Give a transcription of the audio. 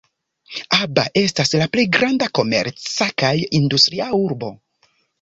Aba estas la plej granda komerca kaj industria urbo.